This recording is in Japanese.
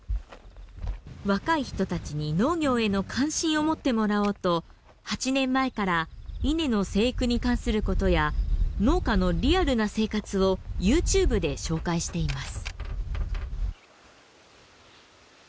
若い人たちに農業への関心を持ってもらおうと８年前から稲の生育に関することや農家のリアルな生活をＹｏｕＴｕｂｅで紹介しています。